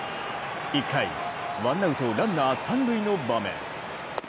１回、ワンアウトランナー、三塁の場面。